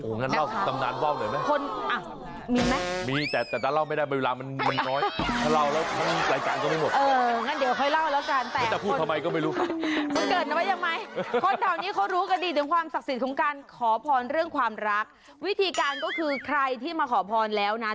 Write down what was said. โหงั้นเล่าตำนานว่าวหน่อยไหมมีไหมมีแต่ถ้าเล่าไม่ได้เวลามันน้อยถ้าเล่าแล้วทั้งรายการก็ไม่หมด